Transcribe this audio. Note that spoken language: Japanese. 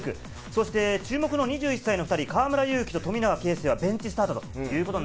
そして注目２１歳の２人、河村勇輝と富永啓生はベンチスタートです。